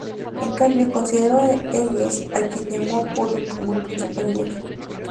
En cambio, consideró a Helios, a quien llamó Apolo, como el principal dios.